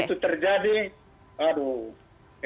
kalau itu terjadi aduh